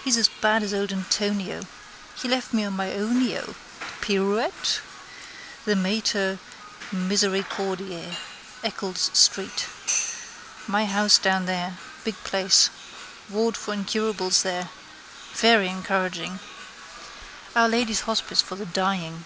_ He's as bad as old Antonio. He left me on my ownio. Pirouette! The Mater Misericordiae. Eccles street. My house down there. Big place. Ward for incurables there. Very encouraging. Our Lady's Hospice for the dying.